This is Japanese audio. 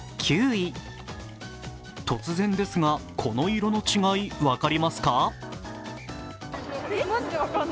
突然ですが、この色の違い分かりますか。